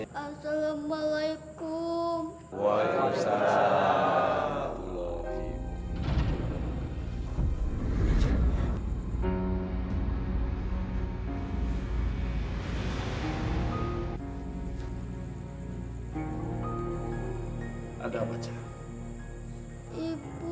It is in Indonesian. bapak aku ada lagi